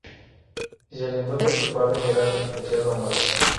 Si se le encuentra culpable, sera sentenciado a muerte.